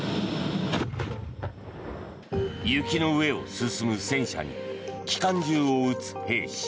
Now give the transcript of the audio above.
雪の上を進む戦車に機関銃を撃つ兵士。